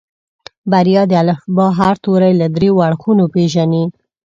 بريا د الفبا هر توری له دريو اړخونو پېژني.